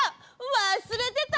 わすれてた！